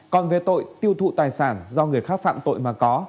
còn về tội tiêu thụ tài sản do người khác phạm tội mà có